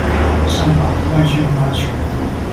上吧，外旋發球